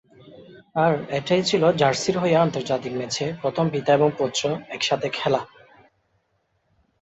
আর এটাই ছিল জার্সির হয়ে আন্তর্জাতিক ম্যাচে প্রথম পিতা এবং পুত্র একসাথে খেলা।